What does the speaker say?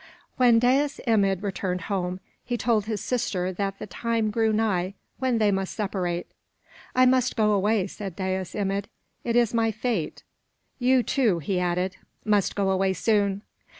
When Dais Imid returned home, he told his sister that the time drew nigh when they must separate. "I must go away," said Dais Imid, "it is my fate. You, too," he added, "must go away soon.